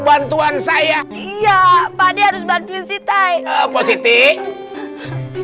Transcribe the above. bantuan saya iya pade harus bantuin sitai positif